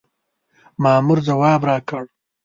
مامور ځواب راکړ.